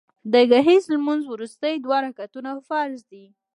د ګهیځ لمونځ وروستي دوه رکعتونه فرض دي